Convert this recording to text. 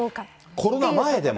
コロナ前でも。